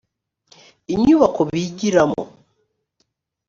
inyubako bigiramo